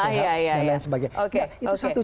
dan lain sebagainya oke oke itu satu